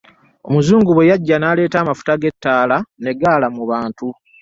Omuzungu bwe yajja n’aleeta amafuta g’ettaala ne gaala mu bantu.